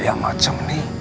yang macam ini